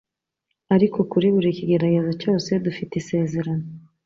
Ariko kuri buri kigeragezo cyose dufite isezerano